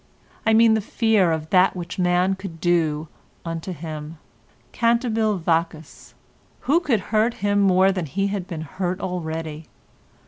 I mean the fear of that which man could do unto him. Cantabil vacuus. Who could hurt him more than he had been hurt already?